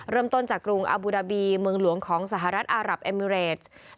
เริ่มต้นจากกรุงอาบูดาบีเมืองหลวงของสหรัฐอารับเอมิเรส